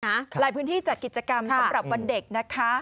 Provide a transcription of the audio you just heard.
หลายพื้นที่จัดกิจกรรมสำหรับวันเด็กนะคะ